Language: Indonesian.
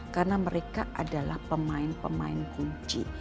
karena mereka adalah pemain pemain kunci